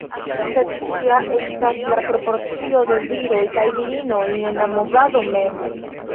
Sed kia estas la proporcio de viroj kaj virinoj en la movado mem?